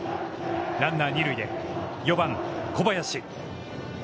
ランナー二塁で、４番小林。